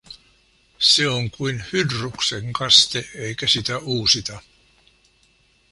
Se on kuin Hydruksen kaste, eikä sitä uusita.